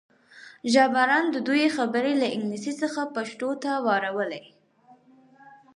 ژباړن د دوی خبرې له انګلیسي څخه پښتو ته واړولې.